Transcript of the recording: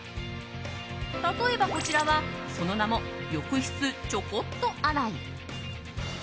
例えば、こちらはその名も浴室チョコッと洗い。